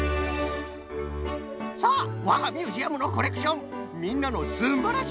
さあわがミュージアムのコレクションみんなのすんばらしい